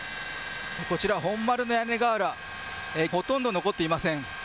こちら、本丸の屋根瓦、ほとんど残っていません。